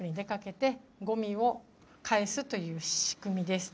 ゴミを返すという仕組みです。